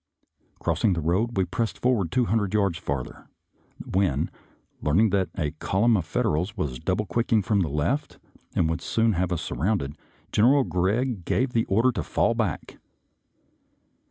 Crossing the road, we pressed forward two hundred yards farther, when, learning that a column of Fed erals was double quicking from the left and would soon have us surrounded. General Gregg gave the order to fall back.